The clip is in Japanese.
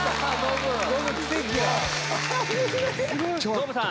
ノブさん。